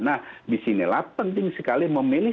nah di sinilah penting sekali memilih